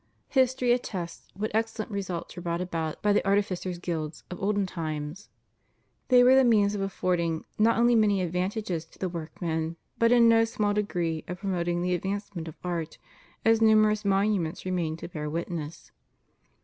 History attests what excellent results were brought about by the artificers' guilds of olden times. They were the means of affording not only many advantages to the workmen, but in no small degree of promoting the advancement of art, as numerous monuments remain to bear witness.